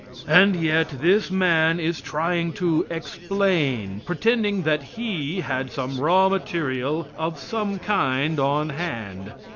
And yet this man is trying to explain, pretending that He had some raw material of some kind on hand.